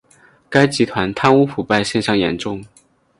该集团贪污腐败现象严重。